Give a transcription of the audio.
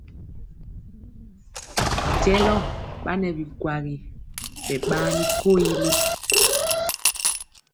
Jɛlɔ ɓa nɛ bikwagi ɓɛ ɓaani koyili.